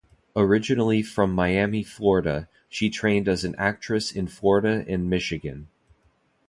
Originally from Miami, Florida, she trained as an actress in Florida and Michigan.